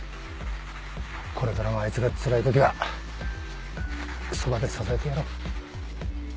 これからもあいつがつらいときはそばで支えてやろう。